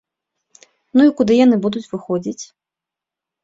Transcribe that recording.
Ну і куды яны будуць выходзіць?